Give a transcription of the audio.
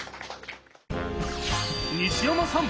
西山さん